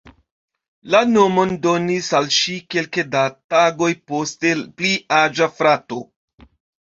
La nomon donis al ŝi kelke da tagoj poste pli aĝa frato.